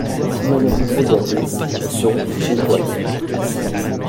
S’il y en a de trop gâtées, elles seront pour Tronquoy.